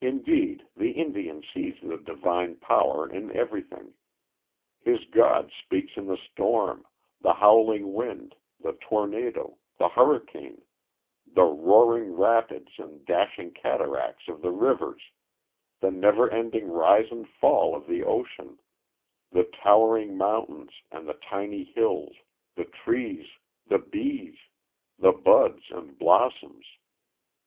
Indeed, the Indian sees the divine power in everything. His God speaks in the storm, the howling wind, the tornado, the hurricane, the roaring rapids and dashing cataracts of the rivers, the never ending rise and fall of the ocean, the towering mountains and the tiny hills, the trees, the bees, the buds and blossoms.